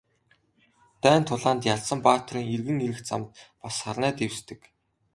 Дайн тулаанд ялсан баатрын эргэн ирэх замд бас сарнай дэвсдэг.